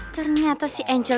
ternyata si angel